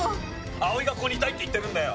碧唯が、ここにいたいって言ってるんだよ。